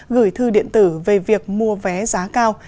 gửi thư điện tử về việc mua vé giá cao